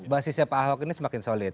basisnya pak ahok ini semakin solid